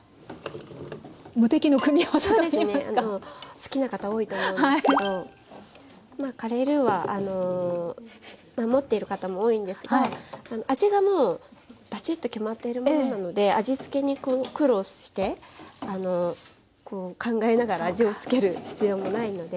好きな方多いと思うんですけどカレールーは持っている方も多いんですが味がもうバチッと決まっているものなので味付けに苦労して考えながら味を付ける必要もないので。